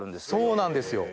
そうなんですよ。